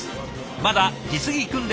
まだ実技訓練